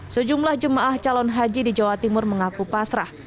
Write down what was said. sejumlah jemaah calon haji di jawa timur mengaku pasrah